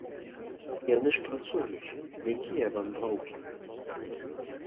Яны ж працуюць, якія вандроўкі!